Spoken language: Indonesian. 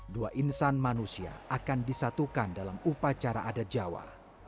dua insan manusia akan disatukan dalam upacara adat jawa